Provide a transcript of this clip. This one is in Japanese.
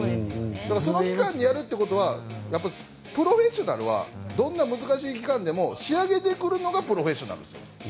その期間にやるってことはプロフェッショナルはどんな難しい期間でも仕上げてくるのがプロフェッショナルなんです。